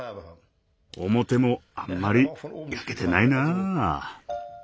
表もあんまり焼けてないな。